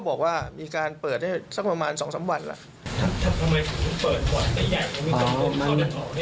บอนนี้เปิดมานานหรืออย่าง